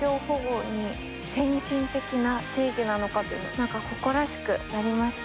何か誇らしくなりました。